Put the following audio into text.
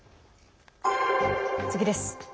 次です。